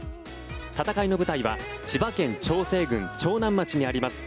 戦いの舞台は千葉県長生郡長南町にあります